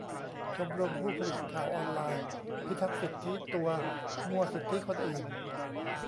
ชมรมผู้ผลิตข่าวออนไลน์ : พิทักษ์สิทธิตัว มั่วสิทธิคนอื่น ?